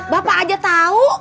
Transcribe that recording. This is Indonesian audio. bapak aja tau